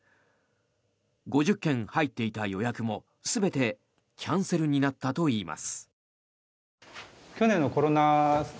５０件入っていた予約も全てキャンセルになったといいます。